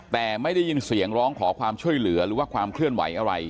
แต่ไม่ได้ยินเสียงร้องขอความช่วยเหลือหรือว่าความเคลื่อนไหวอะไร